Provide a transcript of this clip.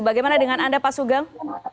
bagaimana dengan anda pak sugeng